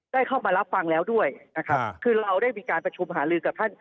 ได้เข้ามารับฟังแล้วด้วยนะครับคือเราได้มีการประชุมหาลือกับท่าน